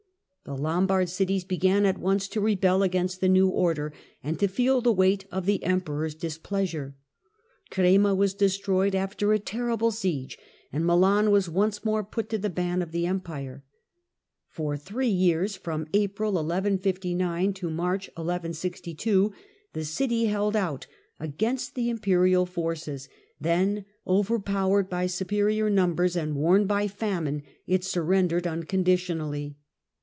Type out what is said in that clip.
The Lombard cities began at once to rebel against the new order and to feel the weight of the Emperor's displeasure. Crema was destroyed after a terrible siege, and Milan was once more put to the ban Second ^^ the Empire. For three years, from April 1159 to Siege of March 1162, the city held out against the imperial 1159 1162 forces, then, overpowered by superior numbers and worn by famine, it surrendered unconditionally.